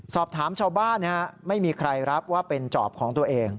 สอบถามชาวบ้านไม่มีใครรับว่าเป็นจอบของตัวเอง